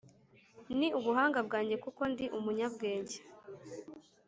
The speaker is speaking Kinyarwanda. ni ubuhanga bwanjye kuko ndi umunyabwenge.